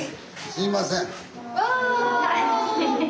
すいません。